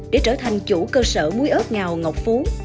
để trở thành chủ cơ sở muối ớt ngào ngọc phú